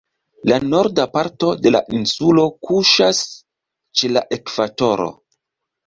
La Norda parto de la insulo kuŝas ĉe la ekvatoro.